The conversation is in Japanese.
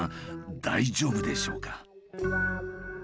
大丈夫でしょうか？